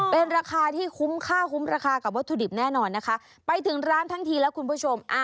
เป็นราคาที่คุ้มค่าคุ้มราคากับวัตถุดิบแน่นอนนะคะไปถึงร้านทั้งทีแล้วคุณผู้ชม